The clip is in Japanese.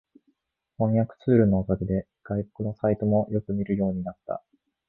翻訳ツールのおかげで外国のサイトもよく見るようになった